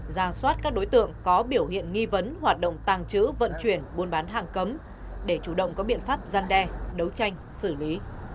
ra soát các đối tượng có biểu hiện nghi vấn hoạt động tàng trữ vận chuyển buôn bán hàng cấm để chủ động có biện pháp gian đe đấu tranh xử lý